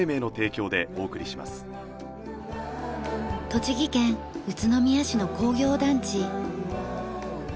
栃木県宇都宮市の工業団地。